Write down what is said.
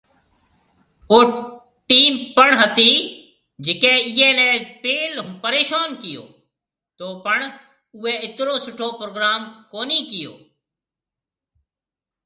او ٽيم پڻ هتي جڪي ايئي ني پيل پريشون ڪيئو تو پڻ اوئي اترو سٺو پروگرام ڪونهي ڪيئو